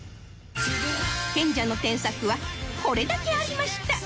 賢者の添削はこれだけありました